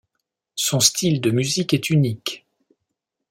Son style de musique est unique.